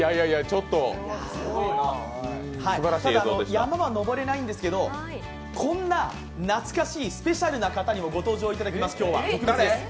山は登れないんですけど、こんな懐かしいスペシャルな方にも今日はご登場いただきます。